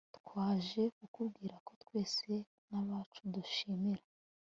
twaje, kukubwira ko twe n'abacu dushimira